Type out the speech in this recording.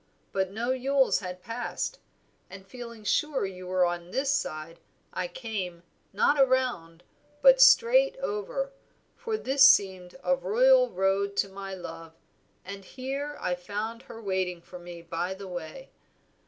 But no Yules had passed, and feeling sure you were on this side I came, not around, but straight over, for this seemed a royal road to my love, and here I found her waiting for me by the way.